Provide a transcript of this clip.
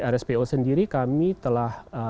rspo sendiri kami telah